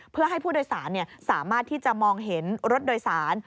เพื่อให้ผู้โดยสารสามารถที่จะมองเห็นรถโดยสาร